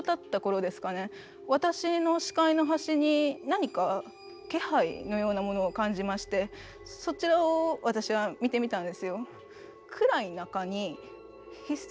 私の視界の端に何か気配のようなものを感じましてそちらを私は見てみたんですよ。